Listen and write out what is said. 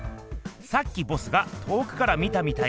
さっきボスが遠くから見たみたいにすると。